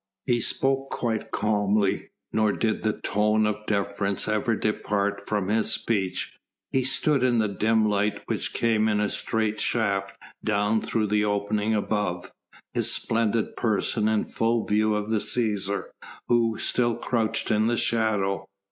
He spoke quite calmly nor did the tone of deference ever depart from his speech. He stood in the dim light which came in a straight shaft down through the opening above, his splendid person in full view of the Cæsar who still crouched in the shadow.